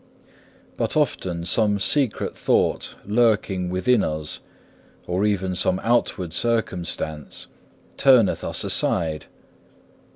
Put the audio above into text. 2. But often some secret thought lurking within us, or even some outward circumstance, turneth us aside.